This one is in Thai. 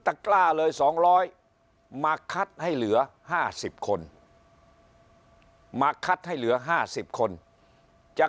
กล้าเลย๒๐๐มาคัดให้เหลือ๕๐คนมาคัดให้เหลือ๕๐คนจะ